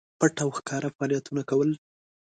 پټ او ښکاره فعالیتونه کول.